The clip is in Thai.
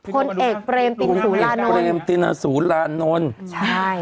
พลเอกเปรมตินสุรานนท์